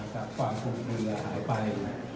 เผาคุกเมือหายไป